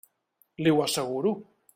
Li ho asseguro.